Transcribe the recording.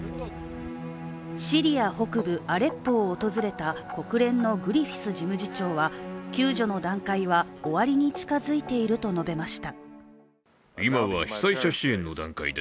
シリア北部アレッポを訪れた国連のグリフィス事務次長は救助の段階は終わりに近付いていると述べました。